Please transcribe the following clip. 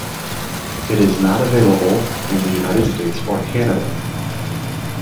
It is not available in the United States or Canada.